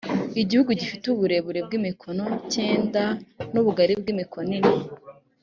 igihugu gifite uburebure bw’imikono cyenda, n’ubugari bw’imikono ine